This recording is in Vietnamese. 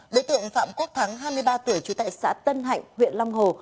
đối tượng phạm quốc thắng hai mươi ba tuổi trú tại xã tân hạnh huyện long hồ